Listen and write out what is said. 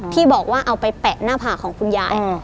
ที่บอกว่าเอาไปแปะหน้าผากของคุณยาย